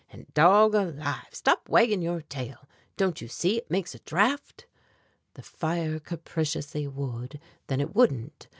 And, dog alive, stop wagging your tail, don't you see it makes a draft?" The fire capriciously would, then it wouldn't.